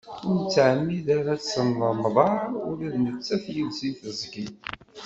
Ur nettɛemmid ara ad tennemḍar ula d nettat yid-s deg tezgi.